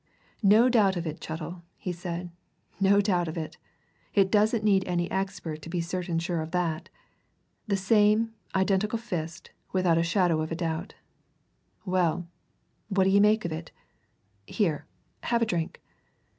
"No doubt of it, Chettle," he said. "No doubt of it! It doesn't need any expert to be certain sure of that. The same, identical fist, without a shadow of doubt. Well what d'ye make of it? Here have a drink."